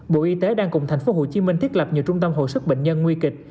bộ y tế đang cùng tp hcm thiết lập nhiều trung tâm hội sức bệnh nhân nguy kịch